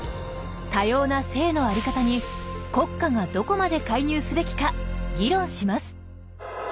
多様な性の在り方に国家がどこまで介入すべきか議論します。